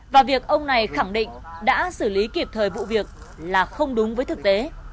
và việc ông này khẳng định đã xử lý kịp thời vụ việc là không đúng với thực tế